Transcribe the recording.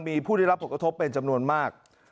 มีผู้ได้รับผลกระทบเป็นจำนวนมาก